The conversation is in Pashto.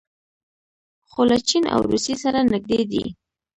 خو له چین او روسیې سره نږدې دي.